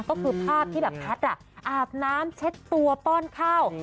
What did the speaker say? ก็คือภาพที่แบบแพทย์อาบน้ำเช็ดตัวป้อนข้าว